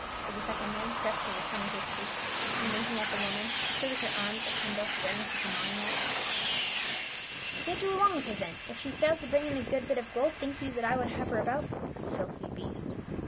said the second man, thrusting his tongue into his cheek and winking at the woman, who stood with her arms akimbo staring at the demoniac. " Get you along with her then ; if she failed to brincT in a good bit of gold, think you that I would havc^ her about ?— the filthy beast."